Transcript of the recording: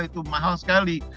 itu mahal sekali